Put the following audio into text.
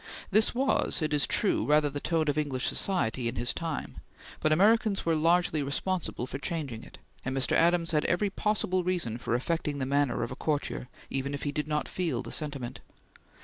This was, it is true, rather the tone of English society in his time, but Americans were largely responsible for changing it, and Mr. Adams had every possible reason for affecting the manner of a courtier even if he did not feel the sentiment.